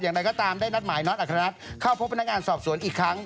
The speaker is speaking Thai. อย่างไรก็ตามได้นัดหมายน็อตอัครนัทเข้าพบพนักงานสอบสวนอีกครั้ง